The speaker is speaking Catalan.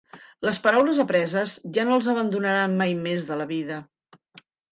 Les paraules apreses ja no els abandonaran mai més de la vida.